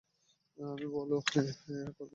আমি করবো এটা।